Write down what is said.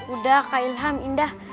udah kak ilham indah